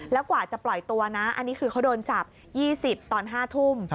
แล้วกว่าจะปล่อยตัวนะอันนี้คือเขาโดนจับ๒๐ตอน๕ทุ่ม